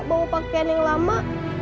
bawa pakaian yang lama